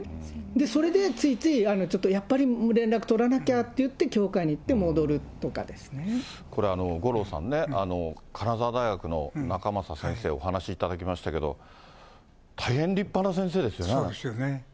それでついついちょっとやっぱり連絡取らなきゃっていって、教会これ、五郎さんね、金沢大学の仲正先生、お話しいただきましたけど、大変立派な先生そうですよね。